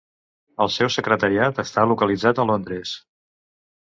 El seu secretariat està localitzat a Londres.